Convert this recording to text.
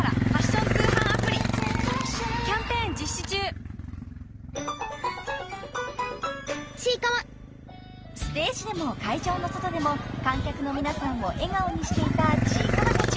ファミマの冷し麺［ステージでも会場の外でも観客の皆さんを笑顔にしていたちいかわたち］